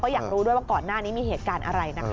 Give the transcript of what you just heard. อยากรู้ว่าก่อนหน้านี้มีเหตุการณ์อะไร